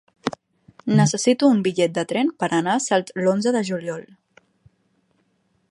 Necessito un bitllet de tren per anar a Salt l'onze de juliol.